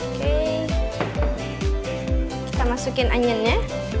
oke kita masukin anginnya